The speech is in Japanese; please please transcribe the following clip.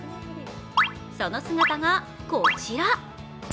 その姿がこちら。